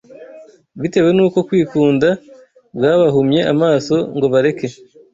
bitewe nuko kwikunda kwabahumye amaso ngo bareke